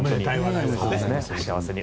お幸せに。